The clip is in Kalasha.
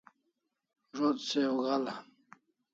Zo't se o ga'l'a